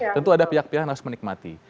tentu ada pihak pihak yang harus menikmati